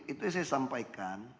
itu saya sampaikan